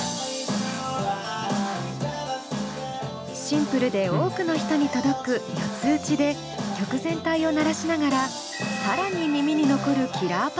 シンプルで多くの人に届く４つ打ちで曲全体を鳴らしながら更に耳に残るキラーパートが。